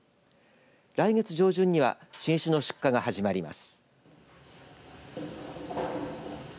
来月上旬には新酒の出荷が始まります。